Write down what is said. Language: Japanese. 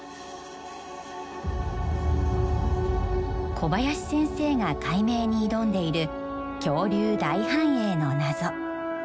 小林先生が解明に挑んでいる恐竜大繁栄の謎。